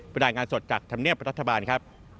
รายงานสดจากธรรมเนียบรัฐบาลครับ